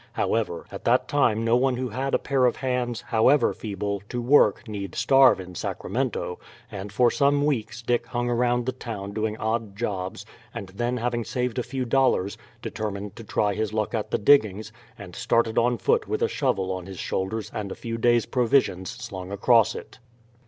However, at that time no one who had a pair of hands, however feeble, to work need starve in Sacramento, and for some weeks Dick hung around the town doing odd jobs, and then having saved a few dollars, determined to try his luck at the diggings, and started on foot with a shovel on his shoulders and a few days' provisions slung across it.